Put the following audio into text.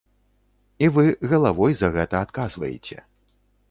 І вы галавой за гэта адказваеце.